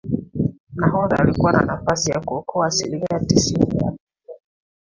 nahodha alikuwa na nafasi ya kuokoa asilimia tisini ya abiria